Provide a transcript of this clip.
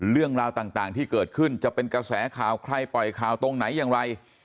เรื่องราวต่างที่เกิดขึ้นจะเป็นกระแสข่าวใครปล่อยข่าวตรงไหนอย่างไร